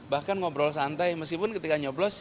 bahkan ngobrol santai meskipun ketika nyoblos